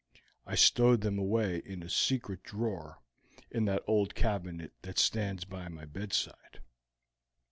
I stowed them away in a secret drawer in that old cabinet that stands by my bedside.